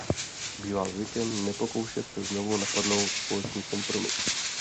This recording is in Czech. Bývá zvykem nepokoušet se znovu napadnout společný kompromis.